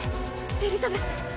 エリザベス！